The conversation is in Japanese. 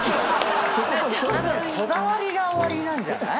こだわりがおありなんじゃない？